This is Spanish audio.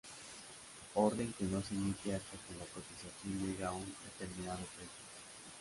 Orden que no se emite hasta que la cotización llega a un determinado precio.